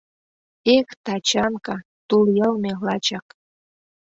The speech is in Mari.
Эх, Тачанка, тулйылме лачак!